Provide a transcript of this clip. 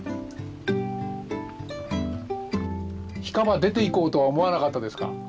干蒲出ていこうとは思わなかったですか？